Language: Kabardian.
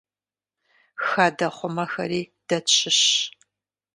Хадэхъумэхэри дэ тщыщщ.